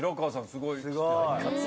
すごい。